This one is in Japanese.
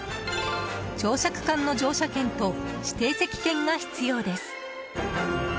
乗車区間の乗車券と指定席券が必要です。